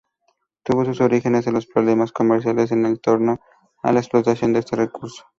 Tuvo sus orígenes en problemas comerciales en torno a la explotación de este recurso.